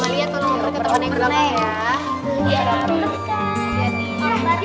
makanya delapan puluh satu trausnya